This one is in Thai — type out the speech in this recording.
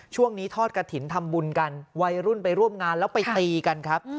ช่วงนี้ทอดกฐินทำบุญกันวัยรุ่นไปร่วมงานแล้วไปตีกันครับ